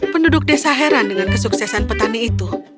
penduduk desa heran dengan kesuksesan petani itu